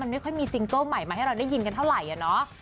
ไม่ค่อยมีซิงเกิ้ลใหม่มาให้เราได้ยินกันเท่าไหร่อะเนาะ